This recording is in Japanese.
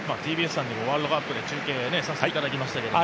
ＴＢＳさんにもワールドカップの中継させていただきましたけど。